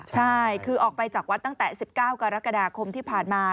ใช่คือออกไปจากวัดตั้งแต่๑๙กรกฎาคมที่ผ่านมา